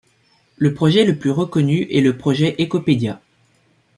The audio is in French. Le projet le plus reconnu est le projet Ékopédia.